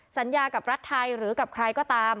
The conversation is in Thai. สัญญากับรัฐไทยหรือกับใครก็ตาม